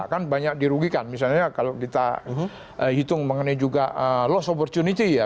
kan banyak dirugikan misalnya kalau kita hitung mengenai juga loss opportunity ya